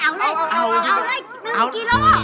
เอาเลยซิเอาเลย๑กิโลเดี๋ยวออกมาเลย